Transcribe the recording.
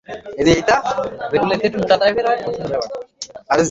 ওদিক দিয়া ঘুরিয়া শশী বাড়ির ভিতের গেল।